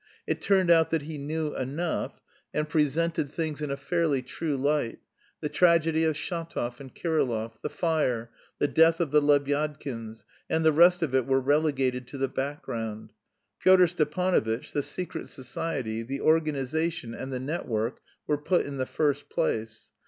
It turned out that he knew enough, and presented things in a fairly true light: the tragedy of Shatov and Kirillov, the fire, the death of the Lebyadkins, and the rest of it were relegated to the background. Pyotr Stepanovitch, the secret society, the organisation, and the network were put in the first place.